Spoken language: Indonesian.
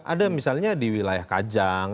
ada misalnya di wilayah kajang